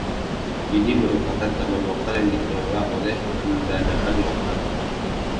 Ini merupakan taman lokal yang dikelola oleh pendanaan lokal.